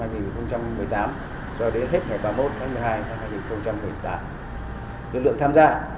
cho đến hết ngày ba mươi một tháng một mươi hai năm hai nghìn một mươi tám